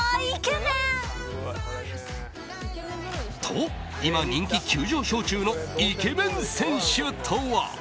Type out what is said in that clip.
と、今、人気急上昇中のイケメン選手とは。